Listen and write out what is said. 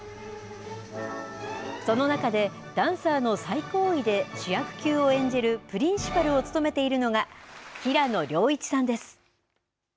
その中で、ダンサーの最高位で主役級を演じるプリンシパルを務めているのが、平野亮一さんです。